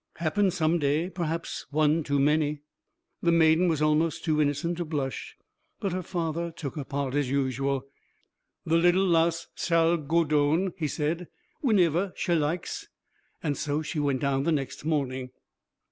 "Happen some day, perhaps, one too many." The maiden was almost too innocent to blush; but her father took her part as usual. "The little lass sall gaw doon," he said, "wheniver sha likes." And so she went down the next morning.